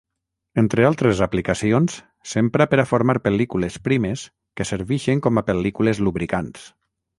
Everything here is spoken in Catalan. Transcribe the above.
Entre altres aplicacions, s'empra per a formar pel·lícules primes que servixen com a pel·lícules lubricants.